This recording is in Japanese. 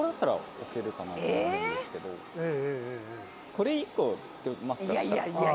これ１個付けますか。